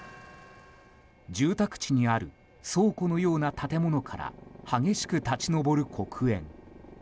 住宅地にある倉庫のような建物から激しく立ち上る黒煙。